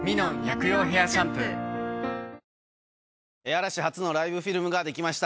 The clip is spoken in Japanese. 嵐初のライブフィルムが出来ました。